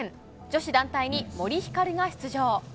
女子団体に森ひかるが出場。